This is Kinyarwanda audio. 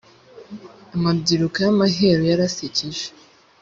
amabyiruka yamaheru yarasekeje.